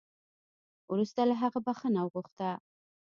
وروسته له هغه بخښنه وغوښته